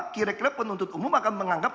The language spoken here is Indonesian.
kira kira penuntut umum akan menganggap